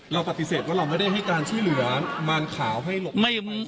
เราปฏิเสธว่าเราไม่ได้ให้การที่เหลือมารข่าวให้หลบไปใช่ไหม